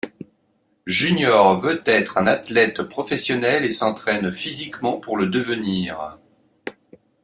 Junior veut être un athlète professionnel et s'entraîne physiquement pour le devenir.